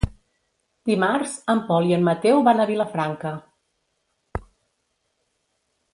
Dimarts en Pol i en Mateu van a Vilafranca.